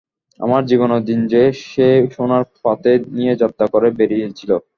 আমার জীবনের দিন যে সেই সোনার পাথেয় নিয়ে যাত্রা করে বেরিয়েছিল।